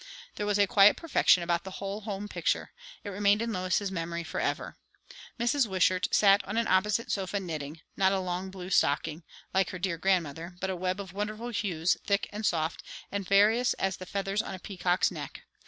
There was a quiet perfection about the whole home picture; it remained in Lois's memory for ever. Mrs. Wishart sat on an opposite sofa knitting; not a long blue stocking, like her dear grandmother, but a web of wonderful hues, thick and soft, and various as the feathers on a peacock's neck.